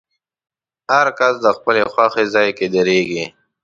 هر کس د خپلې خوښې ځای کې درېږي.